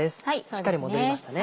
しっかりもどりましたね。